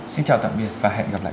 xin chào tạm biệt và hẹn gặp lại